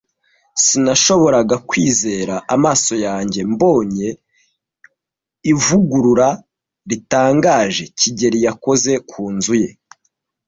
Sinashoboraga kwizera amaso yanjye mbonye ivugurura ritangaje kigeli yakoze ku nzu ye.